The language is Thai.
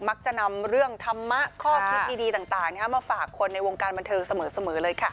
มักจะนำเรื่องธรรมะข้อคิดดีต่างมาฝากคนในวงการบันเทิงเสมอเลยค่ะ